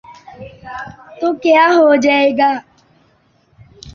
تو کیا ہوجائے گا۔